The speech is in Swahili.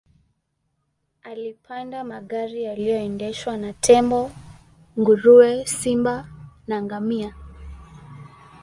Alipanda magari yaliyoendeshwa na tembo mbwa nguruwe simba na ngamia